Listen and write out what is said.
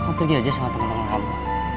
kamu pergi aja sama temen temen kamu